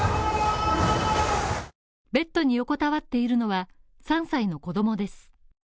ベッドに横たわっているのは３歳の子供です。